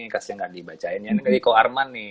kasih gak dibacain ya ini dari ko arman nih